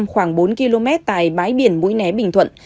khoảng bốn km tại bãi biển mũi né bình thuận